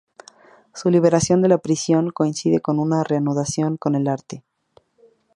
Su liberación de la prisión coincide con una reanudación con el arte.